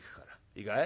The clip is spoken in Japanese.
いいかい？